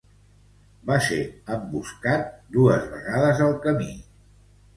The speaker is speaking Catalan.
Va ser emboscat dos vegades al camí.